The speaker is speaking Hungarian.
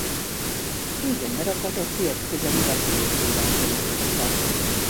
Így a nyarakat egy Érd-közeli repülőtéren töltötte.